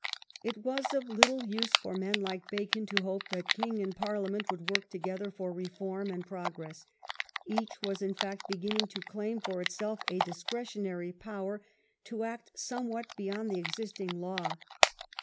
It was of little use for men like Bacon to hope that king and Parliament would work together for reform and No rejii hope progrcss. Each was in fact beginning to of harmony, claim for itself a " discretionary power " to act somewhat beyond the existing law.